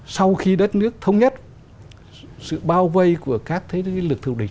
sau khi đất nước thống nhất sự bao vây của các thế lực thù địch